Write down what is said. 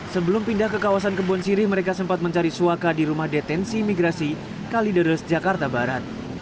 sebelum pindah ke kawasan kebon sirih mereka sempat mencari suaka di rumah detensi imigrasi kalideres jakarta barat